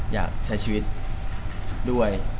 อยากใช้ชีวิตด้วย